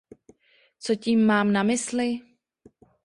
Co tím mám na mysli?